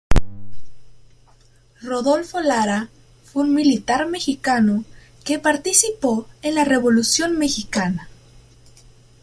Rodolfo Lara fue un militar mexicano que participó en la Revolución mexicana.